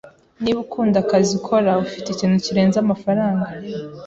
Niba ukunda akazi ukora, ufite ikintu kirenze amafaranga.